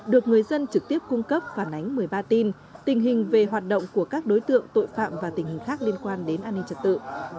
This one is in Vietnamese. được người dân trực tiếp cung cấp phản ánh một mươi ba tin tình hình về hoạt động của các đối tượng tội phạm và tình hình khác liên quan đến an ninh trật tự